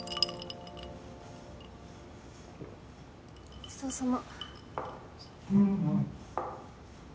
ごちそうさま。